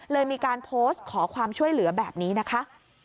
เลยมีการโพสต์ขอความช่วยเหลือแบบนี้นะคะ